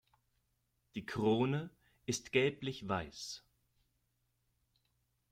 Die Krone ist gelblichweiß.